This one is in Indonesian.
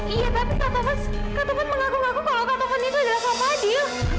iya kak taufan kak taufan mengaku ngaku kalau kak taufan itu adalah taufan fadhil